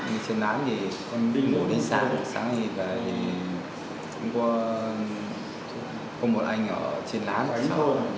lên trên làn thì ngủ đi sáng sáng thì về thì có một anh ở trên làn nhờ trở về